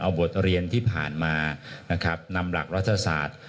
เอาบทเรียนที่ผ่านมานะครับนำหลักรัฐศาสตร์